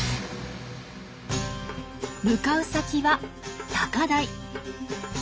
向かう先は高台。